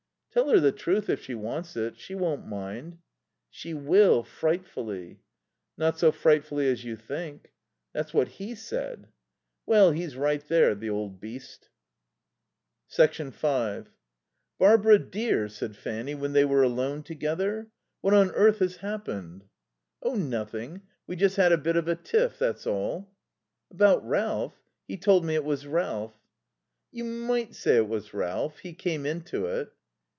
"Tell her the truth, if she wants it. She won't mind." "She will frightfully." "Not so frightfully as you think." "That's what he said." "Well, he's right there, the old beast." 5 "Barbara dear," said Fanny when they were alone together, "what on earth has happened?" "Oh, nothing. We just had a bit of a tiff, that's all." "About Ralph? He told me it was Ralph." "You might say it was Ralph. He came into it."